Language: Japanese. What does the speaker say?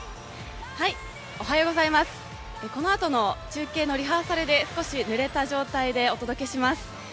このあとの中継のリハーサルで少しぬれた状態でお届けします。